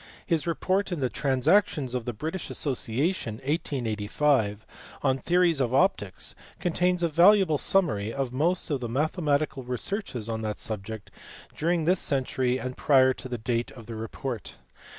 His report in the Transactions of the British Association, 1885, on theories of optics contains a valuable summary of most of the mathematical researches on that subject during this century and prior to the date of the report.